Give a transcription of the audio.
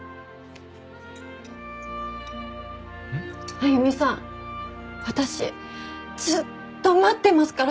歩さん私ずっと待ってますから。